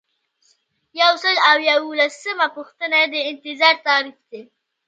یو سل او یوولسمه پوښتنه د انتظار تعریف دی.